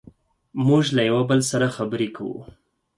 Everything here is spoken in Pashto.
موږ له یو بل سره خبرې کوو.